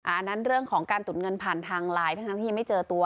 อันนั้นเรื่องของการตุ๋นเงินผ่านทางไลน์ทั้งที่ยังไม่เจอตัว